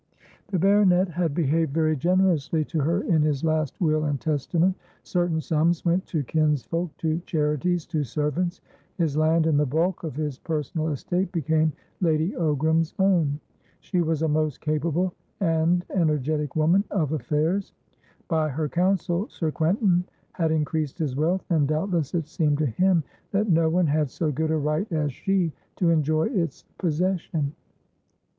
The baronet had behaved very generously to her in his last will and testament. Certain sums went to kinsfolk, to charities, to servants; his land and the bulk of his personal estate became Lady Ogram's own. She was a most capable and energetic woman of affairs; by her counsel, Sir Quentin had increased his wealth, and doubtless it seemed to him that no one had so good a right as she to enjoy its possession.